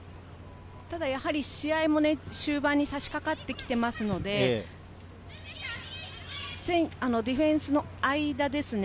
試合も中盤に差し掛かってきていますのでディフェンスの間ですね。